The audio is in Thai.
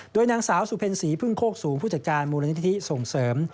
โดยนางสาวสุเพ็ญศรีพึ่งโคกสูงผู้จัดการมูลนิธิส่งเสริม